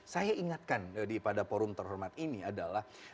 saya ingatkan pada forum terhormat ini adalah